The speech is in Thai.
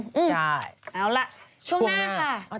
ใช่ช่วงหน้าครับเอาล่ะช่วงหน้าค่ะ